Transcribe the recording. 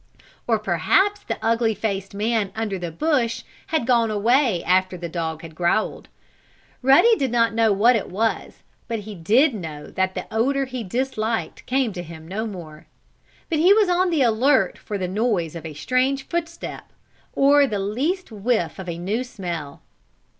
Or perhaps the ugly faced man under the bush had gone away after the dog had growled. Ruddy did not know what it was, but he did know that the odor he disliked came to him no more. But he was on the alert for the noise of a strange footstep, or the least whiff of a new smell.